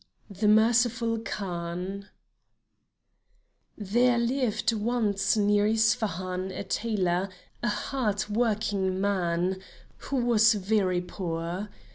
THE MERCIFUL KHAN There lived once near Ispahan a tailor, a hard working man, who was very poor.